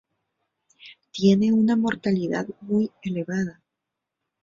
Tiene una mortalidad muy elevada.